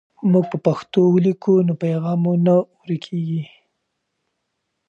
موږ په پښتو ولیکو نو پیغام مو نه ورکېږي.